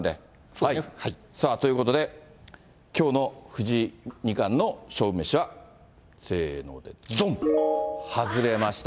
ということで、きょうの藤井二冠の勝負メシは、せーので、どん。外れました。